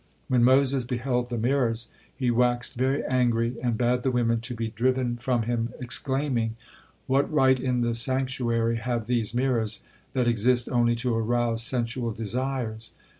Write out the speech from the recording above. When Moses beheld the mirrors, he waxed very angry, and bade the women to be driven from him, exclaiming: "What right in the sanctuary have these mirrors that exist only to arouse sensual desires?"